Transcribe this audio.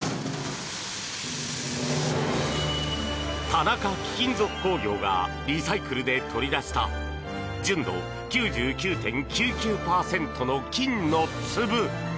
田中貴金属工業がリサイクルで取り出した純度９９．９９％の金の粒。